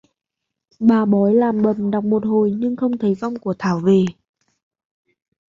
Bà bói làm bầm đọc một hồi nhưng không thấy vong của Thảo về